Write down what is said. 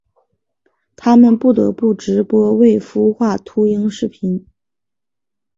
他们不得不直播未孵化秃鹰视频。